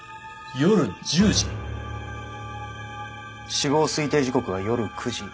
死亡推定時刻は夜９時。